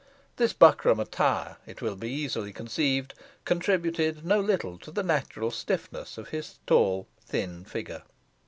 This buckram attire, it will be easily conceived, contributed no little to the natural stiffness of his thin tall figure.